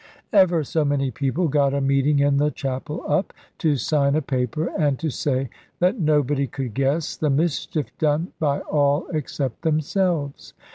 Ever so many people got a meeting in the chapel up, to sign a paper, and to say that nobody could guess the mischief done by all except themselves.